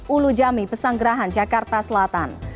ulu jami pesanggerahan jakarta selatan